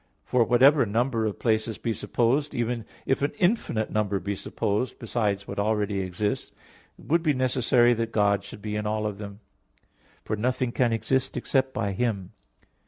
For whatever number of places be supposed, even if an infinite number be supposed besides what already exist, it would be necessary that God should be in all of them; for nothing can exist except by Him.